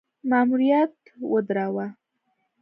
ماموریت ودراوه.